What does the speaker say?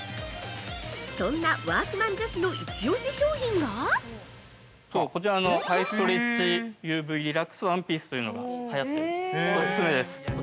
そんなワークマン女子の一押し商品が◆こちらのハイストレッチＵＶリラックスワンピースというのがはやってオススメです。